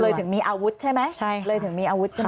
เลยถึงมีอาวุธใช่ไหม